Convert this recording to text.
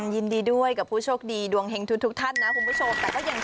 ยินดีด้วยกับผู้โชคดีดวงแห่งทุนทุกท่านนะคุณผู้โชค